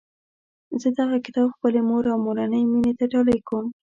زه دغه کتاب خپلي مور او مورنۍ میني ته ډالۍ کوم